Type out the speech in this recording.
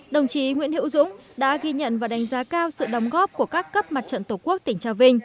đồng chí nguyễn hữu dũng đã ghi nhận và đánh giá cao sự đóng góp của các cấp mặt trận tổ quốc tỉnh trà vinh